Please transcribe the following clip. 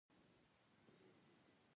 د کوڅې رڼا تر نیمې شپې پورې بل وه.